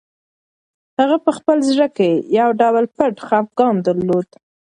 هغه په خپل زړه کې یو ډول پټ خپګان درلود.